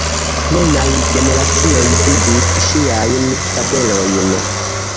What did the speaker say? Plenaj generacioj vidis ŝiajn fabelojn.